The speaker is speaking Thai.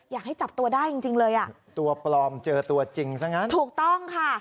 อยากให้จับตัวได้จริงจริงเลยอ่ะตัวปลอมเจอตัวจริงซะงั้นถูกต้องค่ะ